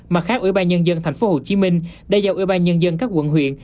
mặt khác ủy ban nhân dân tp hcm đã giao ủy ban nhân dân các quận huyện